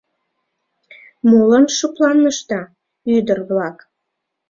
— Молан шыпланышда, ӱдыр-влак?